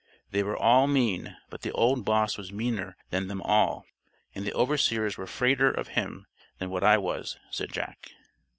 "They were all mean, but the old boss was meaner than them all," and "the overseers were 'fraider' of him than what I was," said Jack.